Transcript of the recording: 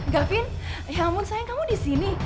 gavyn ya ampun sayang kamu disini